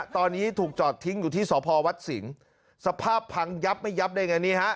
ตอนนี้ถูกจอดทิ้งอยู่ที่สพวัดสิงห์สภาพพังยับไม่ยับได้ไงนี่ฮะ